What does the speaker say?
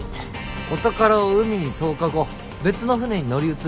お宝を海に投下後別の船に乗り移る。